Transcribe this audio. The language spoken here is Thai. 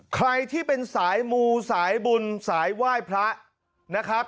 ใครที่เป็นสายมูสายบุญสายไหว้พระนะครับ